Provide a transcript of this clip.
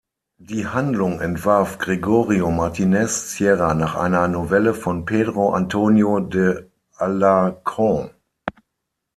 Die Handlung entwarf Gregorio Martínez Sierra nach einer Novelle von Pedro Antonio de Alarcón.